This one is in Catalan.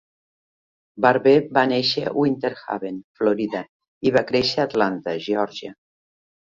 Barbe va néixer a Winter Haven, Florida, i va créixer a Atlanta, Georgia.